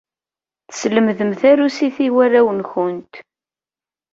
Teslemdem tarusit i warraw-nkent.